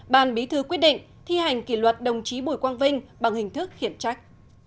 ban bí thư quyết định thi hành kỷ luật đồng chí bùi quang vinh bằng hình thức khiển trách